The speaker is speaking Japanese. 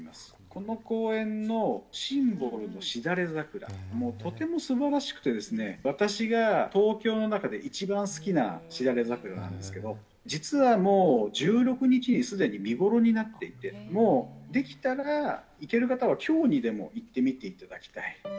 この公園のシンボルのしだれ桜、とてもすばらしくてですね、私が東京の中で一番好きなしだれ桜なんですけれども、実はもう１６日にすでに見頃になっていて、もうできたら、行ける方はきょうにでも行ってみていただきたい。